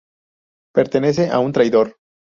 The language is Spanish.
Pertenece a un traidor.